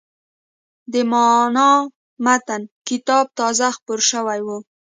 د «معنای متن» کتاب تازه خپور شوی و.